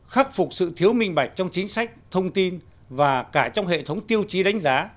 khắc phục sự thiếu minh bạch trong chính sách thông tin và cả trong hệ thống tiêu chí đánh giá